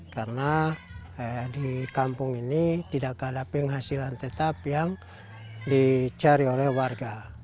karena di kampung ini tidak kehadapan hasil tetap yang dicari oleh warga